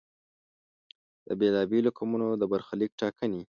د بېلا بېلو قومونو د برخلیک ټاکنې.